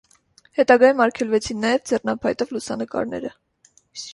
Հետագայում արգելվեցին նաև ձեռնափայտով լուսանկարները։